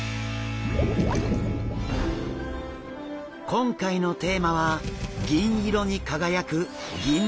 今回のテーマは銀色に輝く「ギンブナ」。